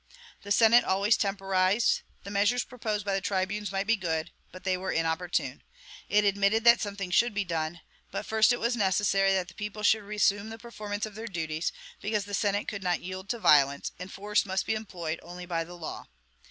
The Senate always temporized; the measures proposed by the tribunes might be good, but they were inopportune. It admitted that something should be done; but first it was necessary that the people should resume the performance of their duties, because the Senate could not yield to violence, and force must be employed only by the law.